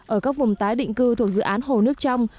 ở các vùng tái định cư thuộc dự án hồ nước trong